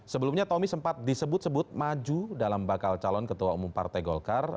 sebelumnya tommy sempat disebut sebut maju dalam bakal calon ketua umum partai golkar